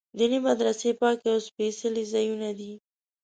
دیني مدرسې پاک او سپېڅلي ځایونه دي.